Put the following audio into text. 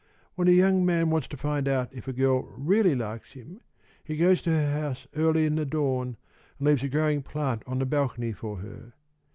When a young man wants to find out if a girl really likes him, he goes to her house early in the dawn, and leaves a growing plant on the balcony for her.